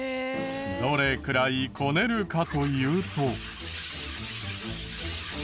どれくらいこねるかというと。